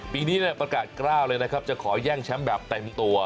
ปีนี้ประกาศกล้าวเลยนะครับจะขอแย่งแชมป์แบบเต็มตัว